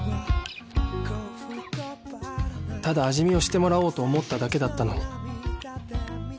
ただ味見をしてもらおうと思っただけだったのに